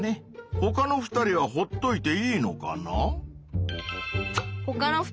ほかの２人はほっといていいのかな？